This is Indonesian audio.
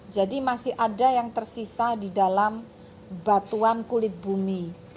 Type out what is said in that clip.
jadi masih ada yang tersisa di dalam batuan kulit bumi